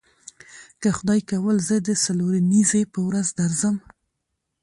که خدای کول زه د څلورنیځې په ورځ درسم.